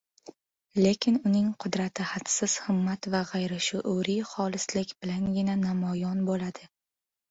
Lekin uning qudrati hadsiz himmat va gʻayrishuuriy xolislik bilangina namoyon boʻladi.